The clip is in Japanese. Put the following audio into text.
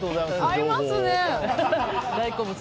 合いますね。